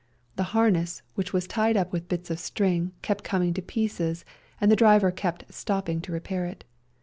The harness, which was tied up with bits of string, kept coming to pieces, and the driver kept stopping to repair it.